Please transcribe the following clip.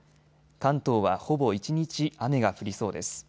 関東はほぼ一日、雨が降りそうです。